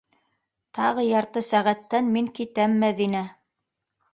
Тағы ярты сәғәттән мин китәм, Мәҙинә.